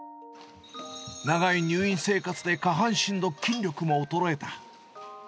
長い入院生活で下半身の筋力も衰えた。